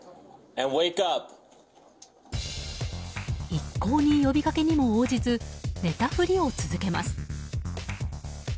一向に呼びかけにも応じず寝たふりを続けます。